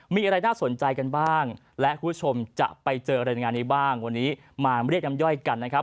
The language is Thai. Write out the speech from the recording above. มีอะไรน่าสนใจกันบ้างและคุณผู้ชมจะไปเจอรายงานนี้บ้างวันนี้มาเรียกน้ำย่อยกันนะครับ